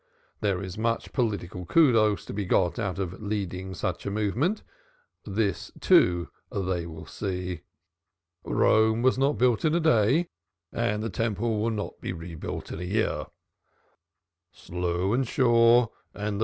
There is much political kudos to be got out of leading such a movement this, too, they will see. Rome was not built in a day, and the Temple will not be rebuilt in a year.